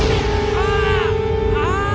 ああ！